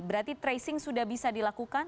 berarti tracing sudah bisa dilakukan